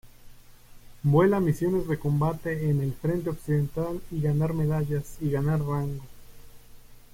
Vuela misiones de combate en el frente occidental y ganar medallas y ganar rango.